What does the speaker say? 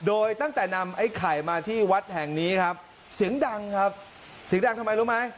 โดยตั้งแต่นำไอ้ไข่มาที่วัดแห่งนี้ครับเสียงดังครับเสียงดังทำไมรู้ไหม